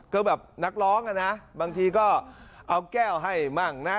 ก็แบบนักร้องอ่ะนะบางทีก็เอาแก้วให้มั่งนะ